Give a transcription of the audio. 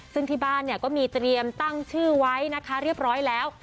ซึ่งที่บ้านเนี่ยก็มีเตรียมตั้งชื่อไว้นะคะเรียบร้อยแล้ว